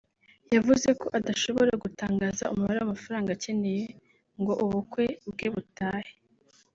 yavuze ko adashobora gutangaza umubare w’amafaranga akeneye ngo ubukwe bwe butahe